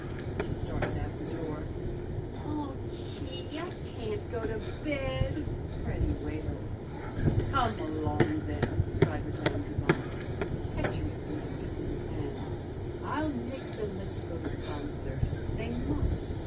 She started out the door. "Oh, gee! I can't go to bed!" Freddy wailed. "Come along, then!" cried Madame d'Avala, impetuously seizing his hand. "I'll make them let you go to the concert. They must!"